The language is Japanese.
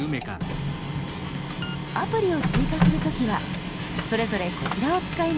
アプリを追加する時はそれぞれこちらを使います。